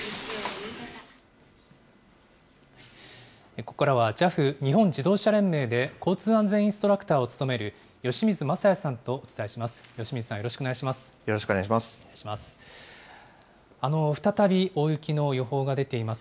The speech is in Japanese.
ここからは、ＪＡＦ・日本自動車連盟で交通安全インストラクターを務める由水雅也さんとお伝えします。